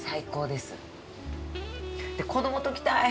で、子供と来たい。